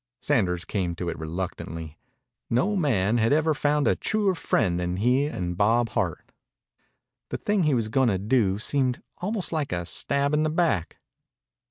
Sanders came to it reluctantly. No man had ever found a truer friend than he in Bob Hart. The thing he was going to do seemed almost like a stab in the back.